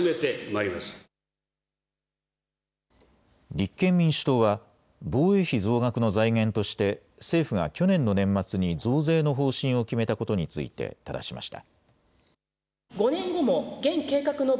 立憲民主党は防衛費増額の財源として政府が去年の年末に増税の方針を決めたことについてただしました。